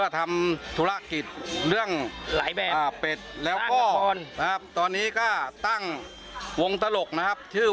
ตอนนักร่องโอเค